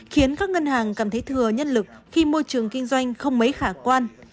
khiến các ngân hàng cảm thấy thừa nhân lực khi môi trường kinh doanh không mấy khả quan